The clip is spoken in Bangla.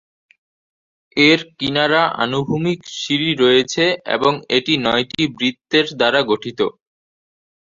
এর কিনারা আনুভূমিক সিড়ি রয়েছে এবং এটি নয়টি বৃত্তের দ্বারা গঠিত।